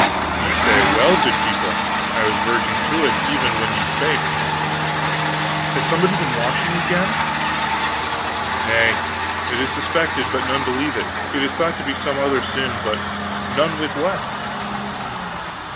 "Ye say well, good people. I was verging to it, even when ye spake." "Has somebody been washing again?" "Nay, it is suspected, but none believe it. It is thought to be some other sin, but none wit what."